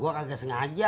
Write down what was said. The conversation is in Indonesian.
gua kaget sengaja